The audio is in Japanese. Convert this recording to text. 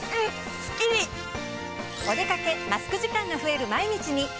お出掛けマスク時間が増える毎日に。